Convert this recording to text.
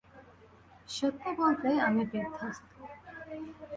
সত্যি বলতে আমি বিধ্বস্ত।